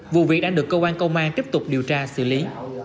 vụ việc đang được cơ quan công an tiếp tục điều tra xử lý